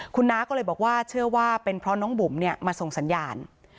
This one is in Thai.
คุณน้าก็เลยบอกว่าเชื่อว่าเป็นเพราะน้องบุ๋มมาส่งสัญญาณ